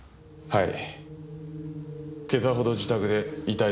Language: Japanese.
はい。